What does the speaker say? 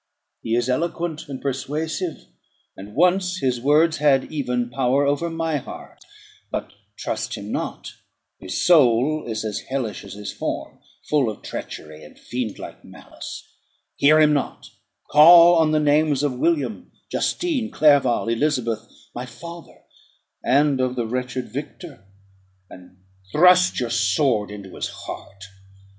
He is eloquent and persuasive; and once his words had even power over my heart: but trust him not. His soul is as hellish as his form, full of treachery and fiendlike malice. Hear him not; call on the manes of William, Justine, Clerval, Elizabeth, my father, and of the wretched Victor, and thrust your sword into his heart.